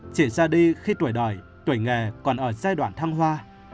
chỉ ra đi khi tuổi đời tuổi nghề còn ở giai đoạn thăng hoa